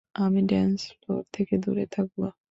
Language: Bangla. আমি ডান্স ফ্লোর থেকে দূরে থাকব।